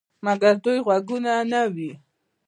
مګر دوی غوږ ونه نیوی.